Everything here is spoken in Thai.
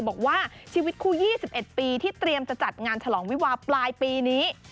บอกว่าชีวิตคู่๒๑ปีที่เตรียมจะจัดงานฉลองวิวาปลายปีนี้